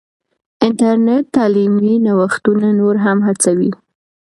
انټرنیټ تعلیمي نوښتونه نور هم هڅوي.